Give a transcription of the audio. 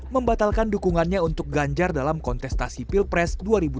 membatalkan dukungannya untuk ganjar dalam kontestasi pilpres dua ribu dua puluh